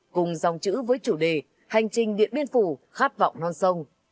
cùng dòng chữ với chủ đề hành trình điện biên phủ khát vọng non sông